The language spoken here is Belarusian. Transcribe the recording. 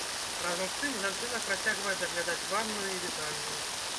Разам з тым, жанчына працягвае даглядаць ванную і вітальную.